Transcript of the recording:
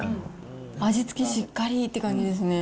味付けしっかりって感じですね。